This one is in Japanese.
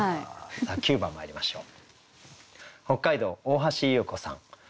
さあ９番まいりましょう。